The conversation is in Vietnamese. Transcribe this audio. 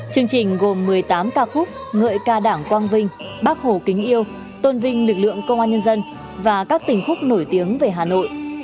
chương trình gồm một mươi tám ca khúc ngợi ca đảng quang vinh bác hồ kính yêu tôn vinh lực lượng công an nhân dân và các tình khúc nổi tiếng về hà nội